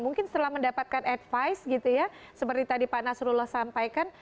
mungkin setelah mendapatkan advice gitu ya seperti tadi pak nasrullah sampaikan